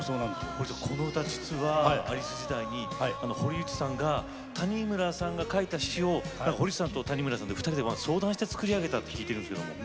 堀内さんこの歌実はアリス時代に堀内さんが谷村さんが書いた詞を堀内さんと谷村さんで２人で相談して作り上げたと聞いてるんですけども。